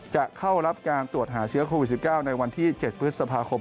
จะเข้ารับการตรวจหาเชื้อโควิด๑๙ในวันที่๗พฤษภาคม